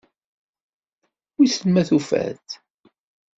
Wissen ma tufa-t?